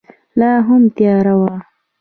لا هم تیاره وه.